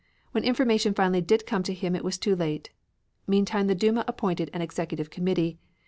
When information finally did come to him it was too late. Meantime the Duma appointed an executive committee.